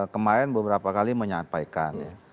kemarin beberapa kali menyampaikan